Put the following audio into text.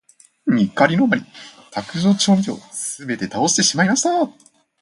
怒りのあまり、卓上調味料をすべて倒してしまいました。